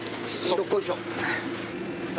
どっこいしょ。